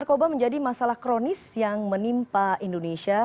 narkoba menjadi masalah kronis yang menimpa indonesia